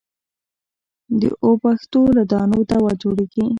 د اوبښتو له دانو دوا جوړېږي.